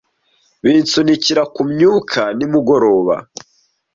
Binsunikira kumyuka nimugoroba.